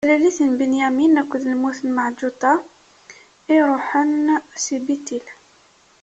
Talalit n Binyamin akked lmut n Meɛǧuṭa i iṛuḥen si Bitil.